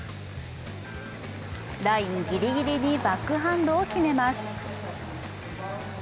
ラインぎりぎりにバックハンドを決めます。